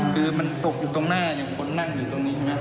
คือมันตกอยู่ตรงหน้าอย่างคนนั่งอยู่ตรงนี้ใช่ไหม